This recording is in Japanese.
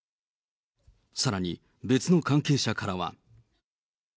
さらに別の関係者からは。